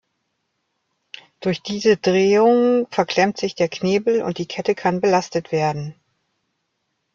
Durch diese Drehung verklemmt sich der Knebel und die Kette kann belastet werden.